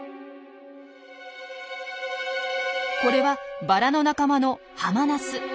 これはバラの仲間のハマナス。